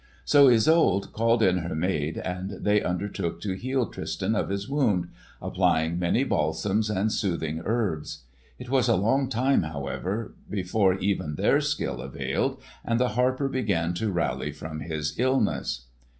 So Isolde called in her maid and they undertook to heal Tristan of his wound, applying many balsams and soothing herbs. It was a long time, however, before even their skill availed and the harper began to rally from his illness.